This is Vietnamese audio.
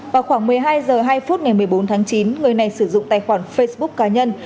vào khoảng một mươi hai h hai ngày một mươi bốn tháng chín người này sử dụng tài khoản facebook cá nhân